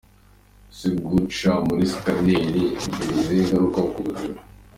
Ese guca muri scanner bigira izihe ngaruka ku buzima?.